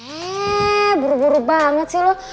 eh buru buru banget sih lo